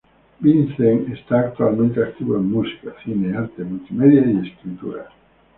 Vincent está actualmente activo en música, cine, arte multimedia, y escritura.